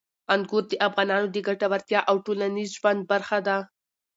انګور د افغانانو د ګټورتیا او ټولنیز ژوند برخه ده.